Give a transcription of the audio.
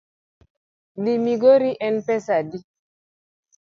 Dhi migori en pesa adi?